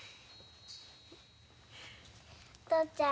お父ちゃん